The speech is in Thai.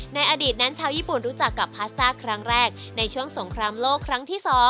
ในอดีตนั้นชาวญี่ปุ่นรู้จักกับพาสต้าครั้งแรกในช่วงสงครามโลกครั้งที่๒